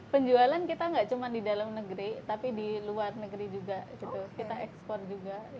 penjualan kita nggak cuma di dalam negeri tapi di luar negeri juga kita ekspor juga